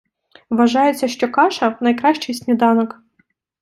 Вважається, що каша — найкращий сніданок.